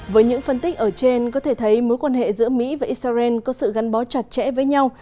với những phân tích ở trên có thể thấy mối quan hệ giữa mỹ và israel có sự gắn bó chặt chẽ với nhau